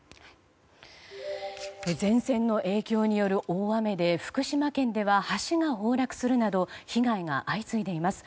前線の影響による大雨で福島県では橋が崩落するなど被害が相次いでいます。